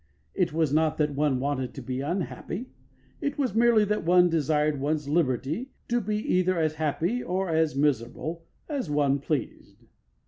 It was not that one wanted to be unhappy. It was merely that one desired one's liberty to be either as happy or as miserable as one pleased.